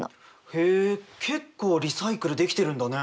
へえ結構リサイクルできてるんだね。